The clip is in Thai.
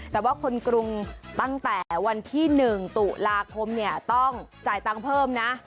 แต่ว่าคนกรุงตั้งแต่วันที่๑ตุลาคมเนี่ยต้องจ่ายตังค์เพิ่มนะ